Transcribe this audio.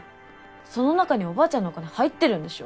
その中におばあちゃんのお金入ってるんでしょ？